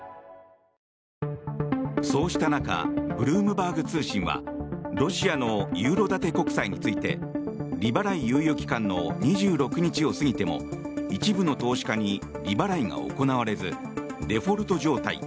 そうした中ブルームバーグ通信はロシアのユーロ建て国債について利払い猶予期間の２６日を過ぎても一部の投資家に利払いが行われずデフォルト状態